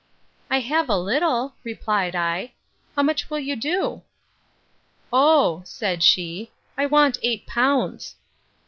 I have a little, replied I: How much will do? Oh! said she, I want eight pounds.